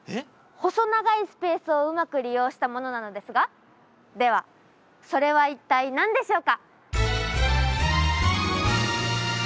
細長いスペースをうまく利用したものなのですがではそれは一体何でしょうか？